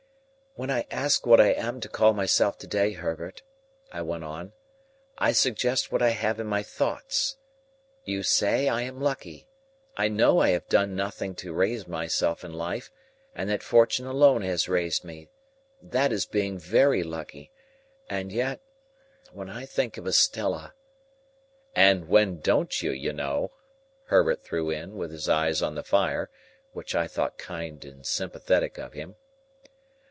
"When I ask what I am to call myself to day, Herbert," I went on, "I suggest what I have in my thoughts. You say I am lucky. I know I have done nothing to raise myself in life, and that Fortune alone has raised me; that is being very lucky. And yet, when I think of Estella—" ("And when don't you, you know?" Herbert threw in, with his eyes on the fire; which I thought kind and sympathetic of him.)